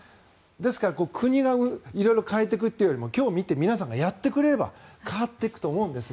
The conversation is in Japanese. ですから、国が色々変えていくというよりも今日見て皆さんがやってくれれば変わっていくと思うんです。